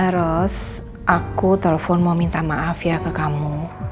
terus aku telepon mau minta maaf ya ke kamu